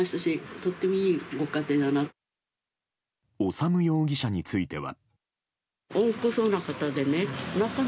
修容疑者については。